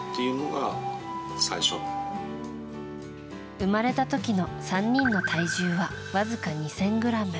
生まれた時の３人の体重はわずか２０００ｇ。